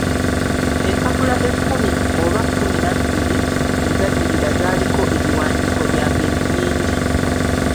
Empapula ekkumi oba kkumi na bbiri ezaddirira zaaliko ebiwandiiko bya ngeri nnyingi.